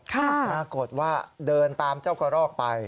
ปรากฏว่าเดินตามเจ้ากระรอกไป